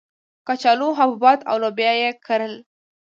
کچالو، حبوبات او لوبیا یې کرل.